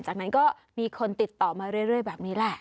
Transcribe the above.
จากนั้นก็มีคนติดต่อมาเรื่อยแบบนี้แหละ